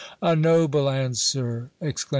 "A noble answer!" exclaimed M.